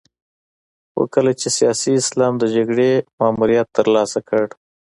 خو کله چې سیاسي اسلام د جګړې ماموریت ترلاسه کړ.